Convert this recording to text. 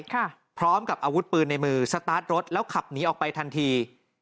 พร้อมกับอาวุธปืนในมือสตาร์ทรถแล้วขับหนีออกไปทันที